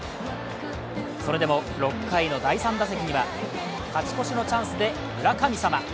それでも６回の第３打席には勝ち越しのチャンスで村神様。